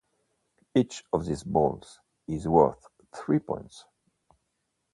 Each of these balls is worth three points.